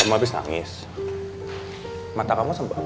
kamu habis nangis mata kamu sembah